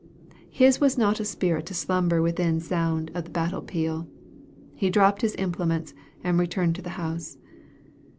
His was not a spirit to slumber within sound of that battle peal. He dropped his implements, and returned to his house.